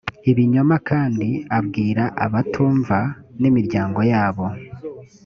ibinyoma kandi abwira abatumva n imiryango yabo